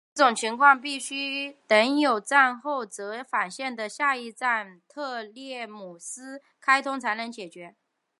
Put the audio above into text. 这种情况必须等有站后折返线的下一站特列姆基站开通才能解决。